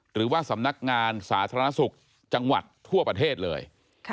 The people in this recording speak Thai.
หรือว่าสำนักงานสาธารณสุขจังหวัดทั่วประเทศเลย